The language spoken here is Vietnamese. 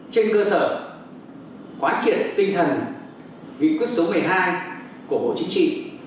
trên cơ sở quán triển tinh thần nghị quyết số một mươi hai của hồ chí trị